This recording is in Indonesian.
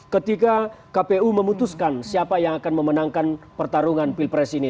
ketika kpu memutuskan siapa yang akan memenangkan pertarungan pilpres ini